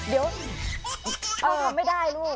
เดี๋ยวไม่ได้ลูก